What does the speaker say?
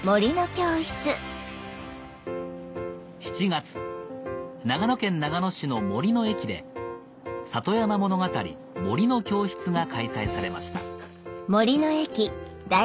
７月長野県長野市の森の駅で里山ものがたり「森の教室」が開催されました